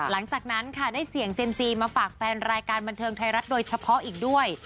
หลังจากนั้นค่ะได้เสี่ยงเซียมซีมาฝากแฟนรายการบันเทิงไทยรัฐโดยเฉพาะอีกด้วย